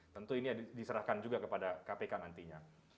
tentu ini diserahkan juga kepada kpk nantinya